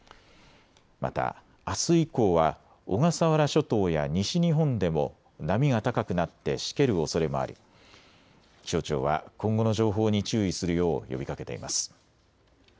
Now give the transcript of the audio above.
また、あす以降は小笠原諸島や西日本でも波が高くなってしけるおそれもあり気象庁は今後の情報に注意するよう呼びかけています。